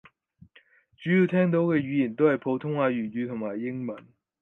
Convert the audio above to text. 主要聽到嘅語言都係普通話粵語同英文